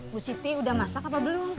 bu siti udah masak apa belum